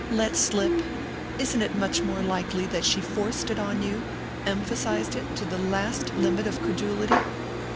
"Let slip? Isn't it much more likely that she forced it on you emphasized it to the last limit of credulity?"